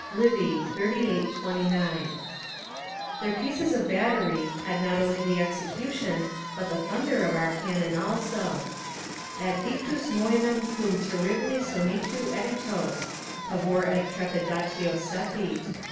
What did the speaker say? Livy, xxxviii. 29.] Their pieces of battery had not only the execution but the thunder of our cannon also: "Ad ictus moenium cum terribili sonitu editos, pavor et trepidatio cepit."